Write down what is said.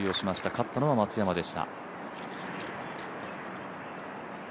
勝ったのは松山でした。